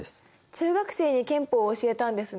中学生に憲法を教えたんですね。